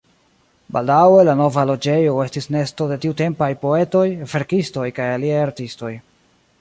Baldaŭe la nova loĝejo estis nesto de tiutempaj poetoj, verkistoj kaj aliaj artistoj.